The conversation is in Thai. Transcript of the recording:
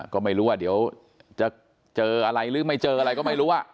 ก็ไม่รู้ว่าเดี๋ยวจะเจออะไรหรือไม่เจออะไรก็ไม่รู้